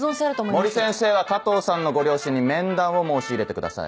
森先生は加藤さんのご両親に面談を申し入れてください。